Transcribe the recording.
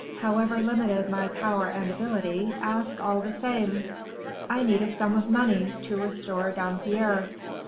"However limited my power and ability, ask all the same." "I need a sum of money, to restore Dampierre."